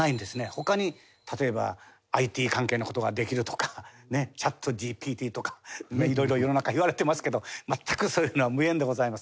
他に例えばＩＴ関係の事ができるとかＣｈａｔＧＰＴとか色々世の中言われてますけど全くそういうのは無縁でございます。